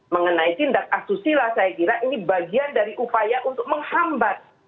mengenai tindak asusila saya kira ini bagian dari upaya untuk menghambat